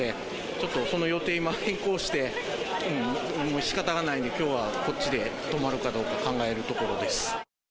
ちょっとその予定を変更して、もうしかたがないんで、きょうはこっちで泊まるかどうか考えてるところです。